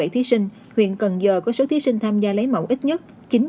thí sinh huyện cần giờ có số thí sinh tham gia lấy mẫu ít nhất